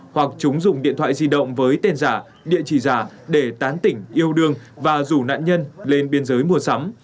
hoặc chúng dùng điện thoại di động với tên giả địa chỉ giả để tán tỉnh yêu đương và rủ nạn nhân lên biên giới mua sắm